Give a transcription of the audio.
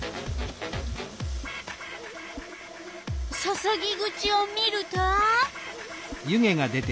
注ぎ口を見ると。